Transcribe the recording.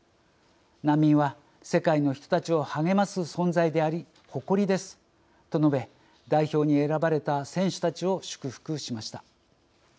難民は世界の人たちを励ます存在であり、誇りです」と述べ、代表に選ばれた選手たちを祝福しました。